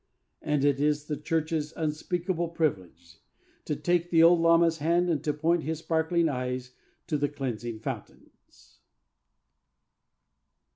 And it is the Church's unspeakable privilege to take the old lama's hand and to point his sparkling eyes to the cleansing fountains.